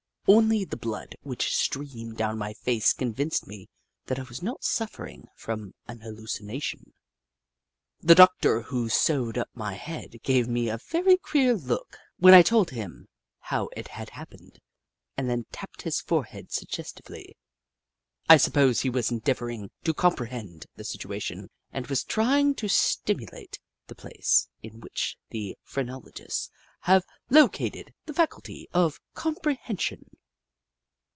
Only the blood which streamed down my face convinced me that I was not suffering from an hallucination. The doctor who sewed up my head gave me a very queer look when I told him how it had happened, and then tapped his forehead sug gestively. I suppose he was endeavouring to comprehend the situation and was trying to stimulate the place in which the phrenologists have located the faculty of comprehension.